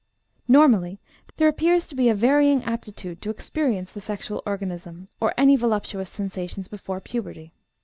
Normally there appears to be a varying aptitude to experience the sexual organism, or any voluptuous sensations before puberty.